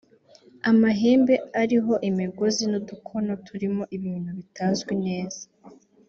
amahembe ariho imigozi n’udukono turimo ibintu bitazwi neza